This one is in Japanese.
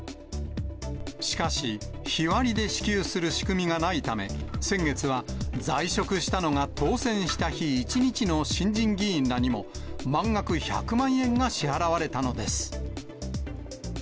しかし、日割りで支給する仕組みがないため、先月は在職したのが当選した日１日の新人議員らにも、満額１００万円が支払われたのです。